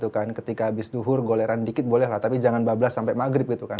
ketika habis duhur goleran dikit bolehlah tapi jangan bablas sampai maghrib gitu kan